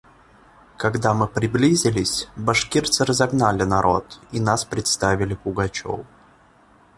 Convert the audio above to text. Когда мы приближились, башкирцы разогнали народ и нас представили Пугачеву.